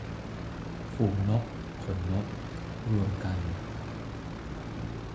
ฝูงนกขนนก - รวมกัน